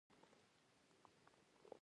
پاندا یوازې د بانس پاڼې خوري